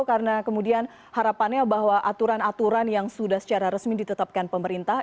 karena kemudian harapannya bahwa aturan aturan yang sudah secara resmi ditetapkan pemerintah